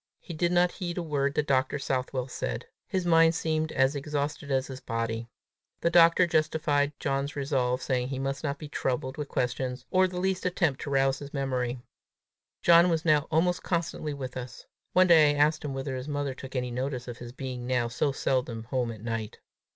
He did not heed a word that Dr. Southwell said. His mind seemed as exhausted as his body. The doctor justified John's resolve, saying he must not be troubled with questions, or the least attempt to rouse his memory. John was now almost constantly with us. One day I asked him whether his mother took any notice of his being now so seldom home at night.